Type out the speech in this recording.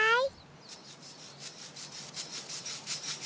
はい！